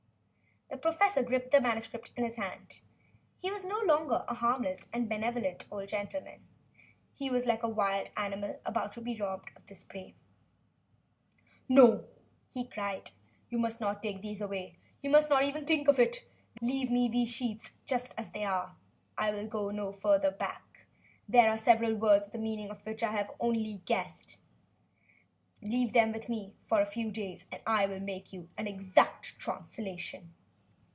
The professor gripped the manuscript in his hand. He was no longer a harmless and benevolent old gentleman. He was like a wild animal about to be robbed of its prey. "No," he cried. "You must not take these away. You must not think of it. They are of no use to you. Leave me the sheets, just as they are. I will go further back. There are several words at the meaning of which I have only guessed. Leave them with me for a few days, and I will make you an exact translation."